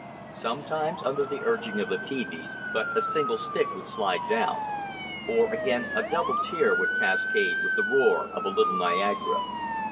Sometimes under the urging of the peaveys, but a single stick would slide down; or again a double tier would cascade with the roar of a little Niagara.